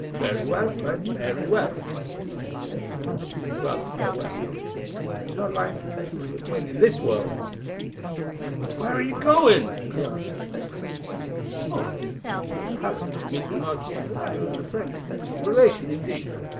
"Very well, friend—very well; then I will say good night, or rather farewell, since I am not likely to meet you again in this world." "Where are you going?" he asked anxiously. "Oh! to the palace to meet the Marquis of Morella and a friend of his, a relation indeed.